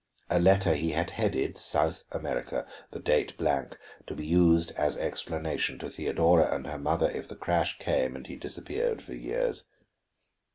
A letter he had headed South America, the date blank, to be used as explanation to Theodora and her mother if the crash came and he disappeared for years.